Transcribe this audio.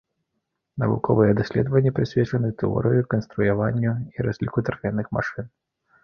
Навуковыя даследаванні прысвечаны тэорыі, канструяванню і разліку тарфяных машын.